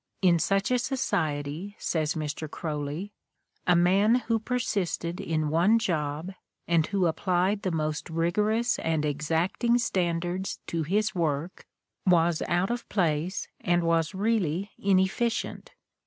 "In such a society," says Mr. Croly, "a man who persisted in one job, and who applied the most rigorous and exacting standards to his work, was out of place and was really inefficient.